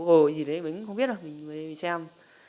ồ gì đấy mình không biết đâu mình mới xem